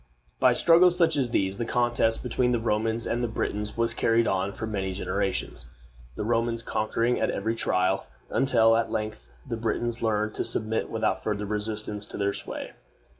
By struggles such as these the contest between the Romans and the Britons was carried on for many generations; the Romans conquering at every trial, until, at length, the Britons learned to submit without further resistance to their sway.